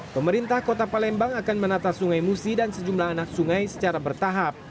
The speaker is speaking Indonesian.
pemerintah kota palembang akan menata sungai musi dan sejumlah anak sungai secara bertahap